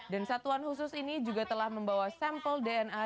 dan satuan khusus ini juga telah membawa sampel dna